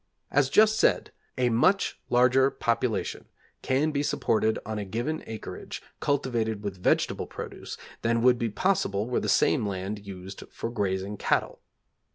As just said, a much larger population can be supported on a given acreage cultivated with vegetable produce than would be possible were the same land used for grazing cattle.